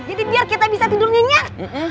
jadi biar kita bisa tidur nyenyak